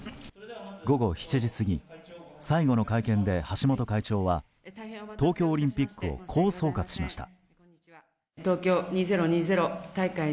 午後７時過ぎ最後の会見で橋本会長は東京オリンピックをこう総括しました。